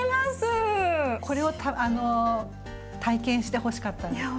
これを体験してほしかったんです。